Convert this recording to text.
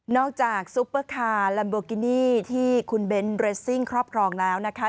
จากซุปเปอร์คาร์ลัมโบกินี่ที่คุณเบนท์เรสซิ่งครอบครองแล้วนะคะ